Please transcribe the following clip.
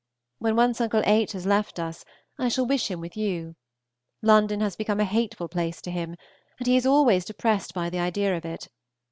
When once Uncle H. has left us, I shall wish him with you. London has become a hateful place to him, and he is always depressed by the idea of it.